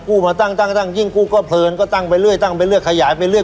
กู้มาตั้งยิ่งกู้ก็เพิร์นก็ตั้งไปเรื่อยขยายไปเรื่อย